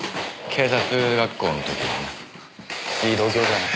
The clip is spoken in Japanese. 警察学校の時にな。